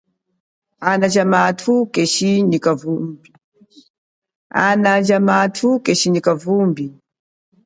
Ana ja mathu keshi nyi vumbi.